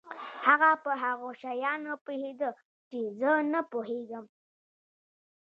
هغه په هغو شیانو پوهېده چې زه نه په پوهېدم.